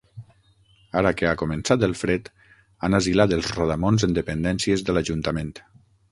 Ara que ha començat el fred, han asilat els rodamons en dependències de l'ajuntament.